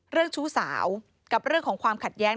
ชู้สาวกับเรื่องของความขัดแย้ง